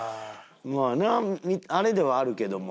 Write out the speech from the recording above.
まあなあれではあるけども。